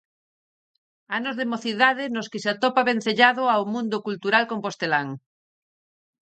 Anos de mocidade nos que se atopa vencellado ao mundo cultural compostelán.